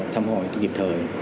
thăm hỏi nghiệp thời